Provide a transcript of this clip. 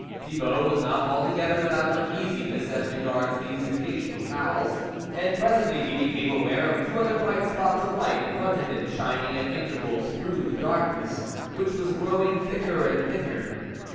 Thibault was not alto gether without uneasiness as regards these occasional howls, and presently he became aware of two other bright spots of light in front of him, shining at intervals through the darkness which was growing thicker and thicker.